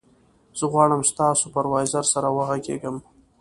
زه غواړم ستا سوپروایزر سره وغږېږم.